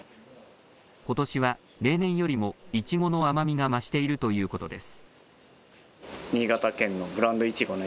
ことしは例年よりもいちごの甘みが増しているということです。